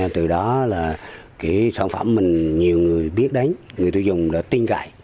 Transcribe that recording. từ đó là cái sản phẩm mình nhiều người biết đến người tiêu dùng đã tin cậy